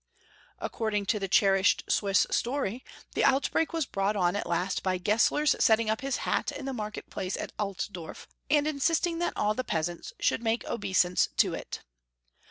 According to the cherished Swiss story, the outbreak was brought on at last by Gesler's setting up his hat in the market place at Altdorf, and insisting that all the peasants should make obeisance to it.